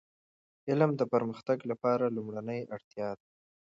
علم د پرمختګ لپاره لومړنی اړتیا ده.